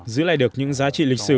giữ lại được những giá trị lịch sử